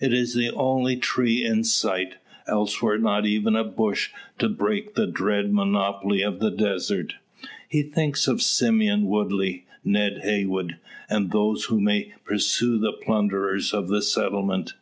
It is the only tree in sight; elsewhere not even a bush to break the drear monotony of the desert. He thinks of Simeon Woodley, Ned Heywood, and those who may pursue the plunderers of the settlement.